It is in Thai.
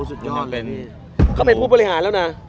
อู่ววเข้าไปผู้บริหารแล้วล่ะ